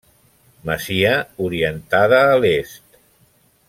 Masia orientada a l'est.